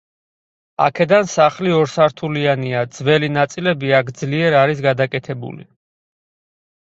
აქედან სახლი ორსართულიანია, ძველი ნაწილები აქ ძლიერ არის გადაკეთებული.